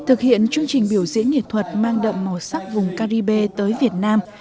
thực hiện chương trình biểu diễn nghệ thuật mang đậm màu sắc vùng caribe tới việt nam